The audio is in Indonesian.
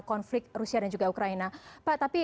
konflik rusia dan juga ukraina pak tapi